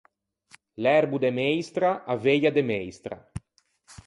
L’erbo de meistra, a veia de meistra.